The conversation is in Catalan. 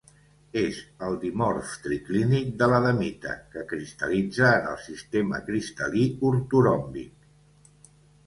És el dimorf triclínic de l'adamita, que cristal·litza en el sistema cristal·lí ortoròmbic.